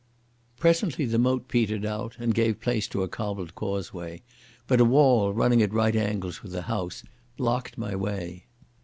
Presently the moat petered out, and gave place to a cobbled causeway, but a wall, running at right angles with the house, blocked my way.